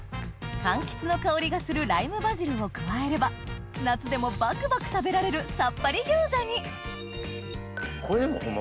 柑橘の香りがするライムバジルを加えれば夏でもバクバク食べられるさっぱり餃子にこれホンマ